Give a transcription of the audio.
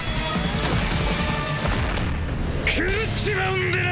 狂っちまうんでな！